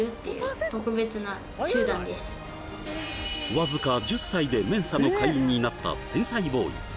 わずか１０歳でＭＥＮＳＡの会員になった天才ボーイ